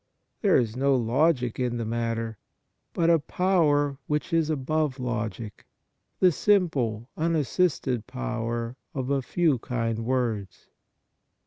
There is no logic in the matter, but a power which is above logic, the simple, unassisted power of a few kind words.